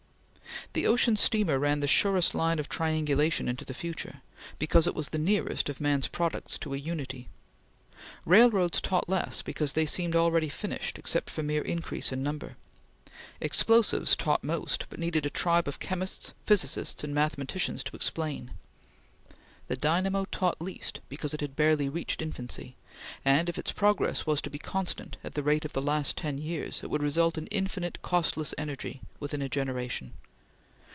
The ocean steamer ran the surest line of triangulation into the future, because it was the nearest of man's products to a unity; railroads taught less because they seemed already finished except for mere increase in number; explosives taught most, but needed a tribe of chemists, physicists, and mathematicians to explain; the dynamo taught least because it had barely reached infancy, and, if its progress was to be constant at the rate of the last ten years, it would result in infinite costless energy within a generation.